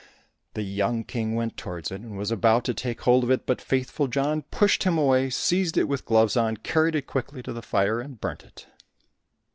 The young King went towards it and was about to take hold of it, but Faithful John pushed him away, seized it with gloves on, carried it quickly to the fire and burnt it.